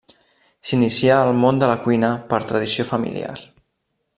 S'inicià al món de la cuina per tradició familiar.